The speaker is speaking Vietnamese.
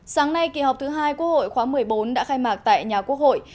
sáng nay kỳ họp thứ hai quốc hội khóa một mươi bốn đã khai mạc tại nhà quốc hội